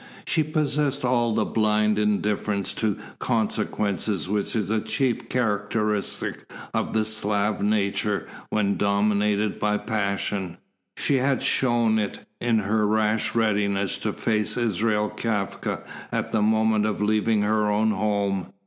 She possessed all the blind indifference to consequences which is a chief characteristic of the Slav nature when dominated by passion. She had shone it in her rash readiness to face Israel Kafka at the moment of leaving her own home.